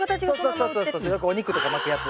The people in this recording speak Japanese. そうそうよくお肉とか巻くやつ。